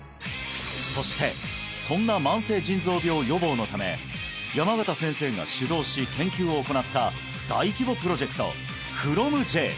そしてそんな慢性腎臓病予防のため山縣先生が主導し研究を行った大規模プロジェクト「ＦＲＯＭ−Ｊ」